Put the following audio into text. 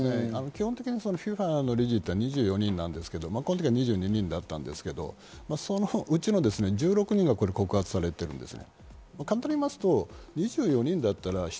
基本的にＦＩＦＡの理事は２４人なんですけれども、この時は２２人だったんですけれども、そのうちの１６人が告発されているんです。